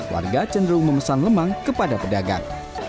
warga cenderung memesan lemang kepada pedagang